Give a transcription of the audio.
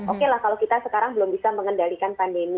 oke lah kalau kita sekarang belum bisa mengendalikan pandemi